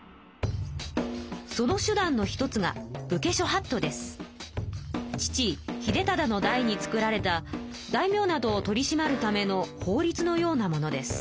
その手段の一つが父秀忠の代に作られた大名などを取りしまるための法りつのようなものです。